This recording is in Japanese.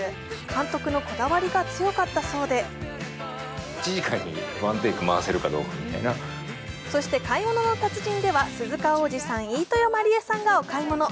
監督のこだわりが強かったそうでそして「買い物の達人」では鈴鹿央士さん、飯豊まりえさんがお買い物。